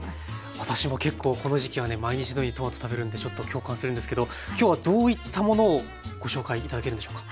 私も結構この時期はね毎日のようにトマト食べるのでちょっと共感するんですけど今日はどういったものをご紹介頂けるんでしょうか。